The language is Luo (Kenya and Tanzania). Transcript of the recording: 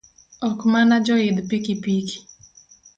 Ok mana joidh pikipiki